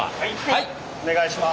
はいお願いします。